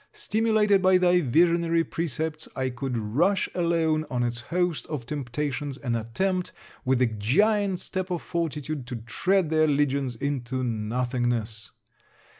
Stimulated by thy visionary precepts, I could rush alone on its host of temptations, and attempt with the giant step of fortitude to tread their legions into nothingness!